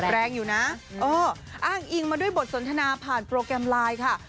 แรงอยู่นะเอออ้างอิงมาด้วยบทสนทนาผ่านโปรแกรมไลน์ค่ะ